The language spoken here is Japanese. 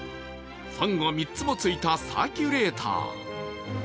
ファンが３つもついたサーキュレーター。